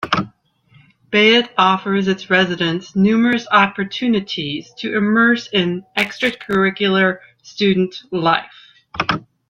Beit offers its residents numerous opportunities to immerse in extracurricular student life.